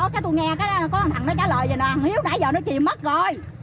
cái tôi nghe có thằng thằng nói trả lời vậy nè hằng hiếu nãy giờ nó chìm mất rồi